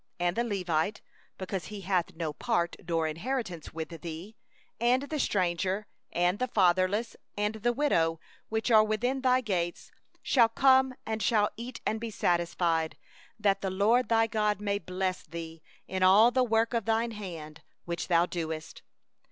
29And the Levite, because he hath no portion nor inheritance with thee, and the stranger, and the fatherless, and the widow, that are within thy gates, shall come, and shall eat and be satisfied; that the LORD thy God may bless thee in all the work of thy hand which thou doest.